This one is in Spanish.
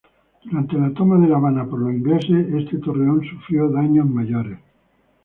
Durante la toma de La Habana por los ingleses, este torreón sufrió daños mayores.